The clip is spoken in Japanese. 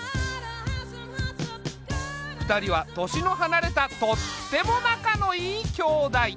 ２人は年の離れたとっても仲のいい兄妹。